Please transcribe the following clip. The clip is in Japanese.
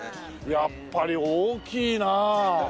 やっぱり大きいなあ！